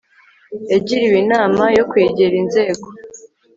yagiriwe inama yo kwegera inzego